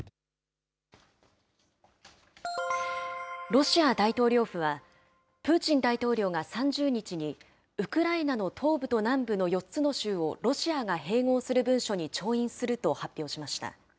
ロシア大統領府は、プーチン大統領が３０日に、ウクライナの東部と南部の４つの州をロシアが併合する文書に調印すると発表しました。